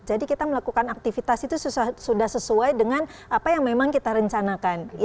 jadi kita melakukan aktivitas itu sudah sesuai dengan apa yang memang kita rencanakan